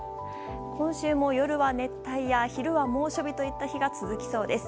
今週も、夜は熱帯夜昼は猛暑日といった日が続きそうです。